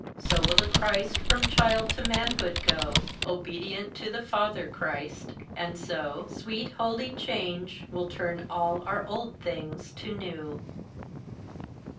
So will the Christ from child to manhood go, Obedient to the father Christ, and so Sweet holy change will turn all our old things to new.